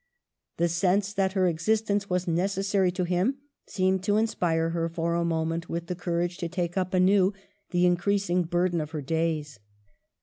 The sense that her existence was necessary to him seemed to inspire her for a moment with the courage to take up anew the increasing burden of her days.